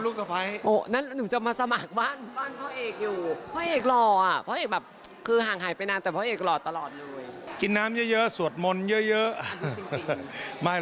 ได้ฟังเลยค่ะฟังเลยฟังเลย